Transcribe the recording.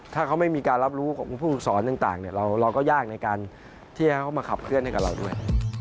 ถ้าเขาไม่มีการรับรู้ของผู้ฝึกสอนต่างเราก็ยากในการที่จะเข้ามาขับเคลื่อนให้กับเราด้วย